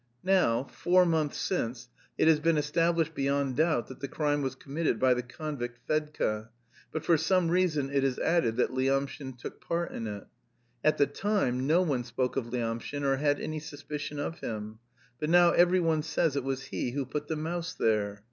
Now, four months since, it has been established beyond doubt that the crime was committed by the convict Fedka, but for some reason it is added that Lyamshin took part in it. At the time no one spoke of Lyamshin or had any suspicion of him. But now every one says it was he who put the mouse there.